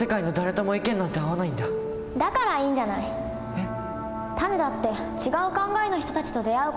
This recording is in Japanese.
えっ？